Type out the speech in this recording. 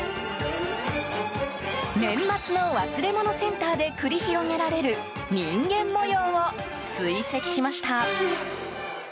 年末の忘れ物センターで繰り広げられる人間模様を追跡しました。